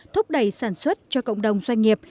thúc đẩy sản xuất cho cộng đồng doanh nghiệp